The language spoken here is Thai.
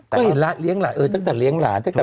ก็เห็นละเลี้ยงหลานเออตั้งแต่เลี้ยงหลาน